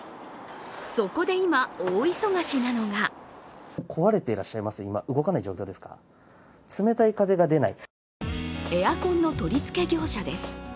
そこで今、大忙しなのがエアコンの取り付け業者です。